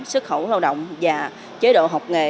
xuất khẩu lao động và chế độ học nghề